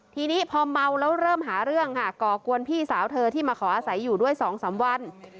ทีนี้พอเมาแล้วเริ่มหาเรื่องค่ะก่อกวนพี่สาวเธอที่มาขออาศัยอยู่ด้วย๒๓วัน